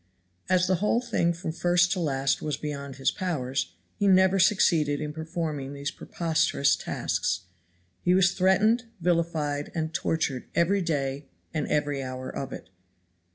As the whole thing from first to last was beyond his powers, he never succeeded in performing these preposterous tasks. He was threatened, vilified and tortured every day and every hour of it.